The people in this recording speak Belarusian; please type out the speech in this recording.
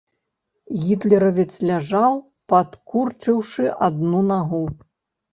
Гітлеравец ляжаў, падкурчыўшы адну нагу.